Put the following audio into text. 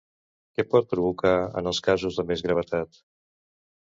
Què pot provocar en els casos de més gravetat?